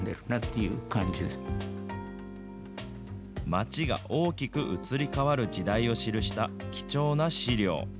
町が大きく移り変わる時代を記した貴重な資料。